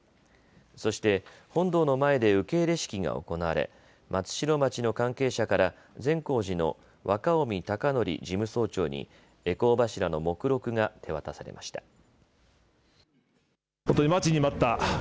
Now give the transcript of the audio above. そして本堂の前で受け入れ式が行われ松代町の関係者から善光寺の若麻績享則寺務総長に回向柱の目録が手渡されました。